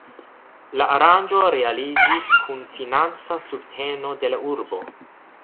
La aranĝo realiĝis kun financa subteno de la urbo.